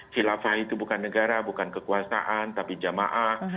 khilafah itu bukan negara bukan kekuasaan tapi jamaah